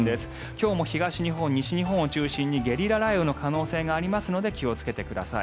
今日も東日本、西日本を中心にゲリラ雷雨の可能性がありますので気をつけてください。